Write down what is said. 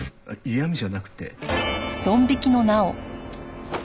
嫌みじゃなくて。